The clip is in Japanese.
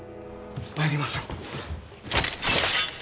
参りましょう。